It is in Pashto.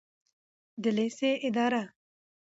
د لیسې اداره